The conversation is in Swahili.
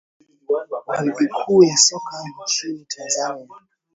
wa ligi kuu ya soka nchini tanzania